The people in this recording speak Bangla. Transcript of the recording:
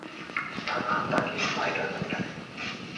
তারা তাকে স্পাইডার নামে ডাকে।